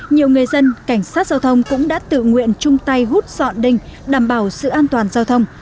nhiều người dân cảnh sát giao thông cũng đã tự nguyện chung tay hút dọn đinh đảm bảo sự an toàn giao thông